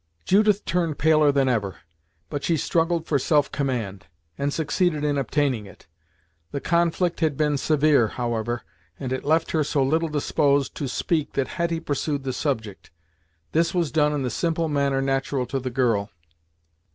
Judith turned paler than ever, but she struggled for self command, and succeeded in obtaining it. The conflict had been severe, however, and it left her so little disposed to speak that Hetty pursued the subject. This was done in the simple manner natural to the girl.